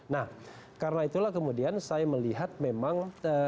nah karena itulah kemudian saya melihat memang